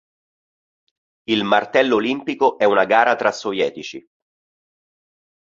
Il martello olimpico è una gara tra sovietici.